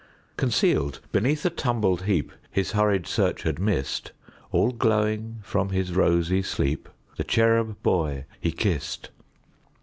Concealed beneath a tumbled heapHis hurried search had missed, All glowing from his rosy sleep, The cherub boy he kissed.